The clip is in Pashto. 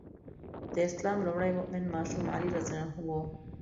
د اسلام لومړی مؤمن ماشوم علي رض و.